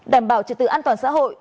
đảm bảo trực tự an toàn xã hội